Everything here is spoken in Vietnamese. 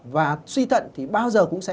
và suy thận thì bao giờ cũng sẽ